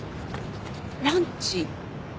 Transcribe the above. ランチ？